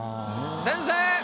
先生！